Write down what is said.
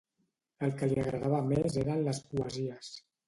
El que li agradava més eren les poesies